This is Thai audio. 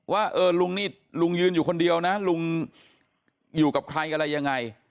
ว่าเออลุงนี่ลุงยืนอยู่คนเดียวนะลุงอยู่กับใครอะไรยังไง